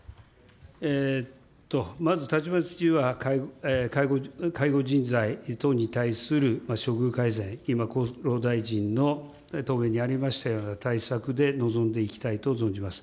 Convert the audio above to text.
まずは介護人材等に対する処遇改善、今、厚労大臣の答弁にありましたような対策で臨んでいきたいと存じます。